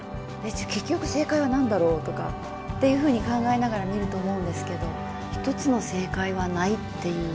じゃ結局正解は何だろうとかっていうふうに考えながら見ると思うんですけど１つの正解はないっていう。